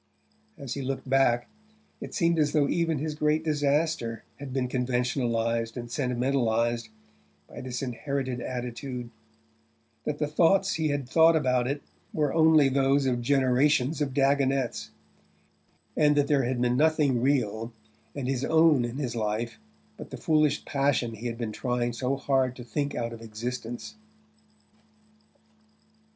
As he looked back it seemed as though even his great disaster had been conventionalized and sentimentalized by this inherited attitude: that the thoughts he had thought about it were only those of generations of Dagonets, and that there had been nothing real and his own in his life but the foolish passion he had been trying so hard to think out of existence.